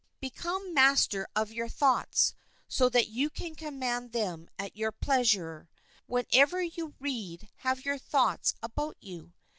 Become master of your thoughts so that you can command them at your pleasure. Whenever you read have your thoughts about you.